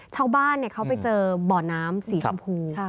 ชาวบ้านเขาไปเจอบ่อน้ำสีชมพู